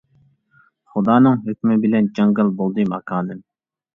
خۇدانىڭ ھۆكمى بىلەن، جاڭگال بولدى ماكانىم.